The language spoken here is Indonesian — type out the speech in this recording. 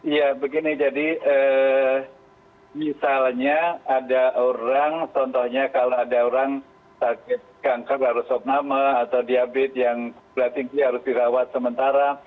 ya begini jadi misalnya ada orang contohnya kalau ada orang sakit kanker baru sob nama atau diabetes yang berarti harus dirawat sementara